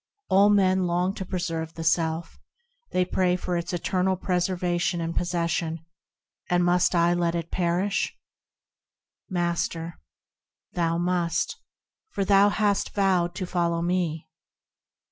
All men long to preserve the self ; They pray for its eternal preservation and possession, And must I let it perish ? Master. Thou must, for thou hast vowed to follow me.